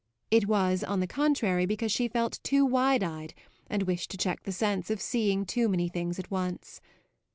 It was on the contrary because she felt too wide eyed and wished to check the sense of seeing too many things at once.